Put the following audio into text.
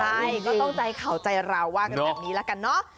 ใช่ก็ต้องใจเขาใจเราว่ากันแบบนี้ละกันเนาะ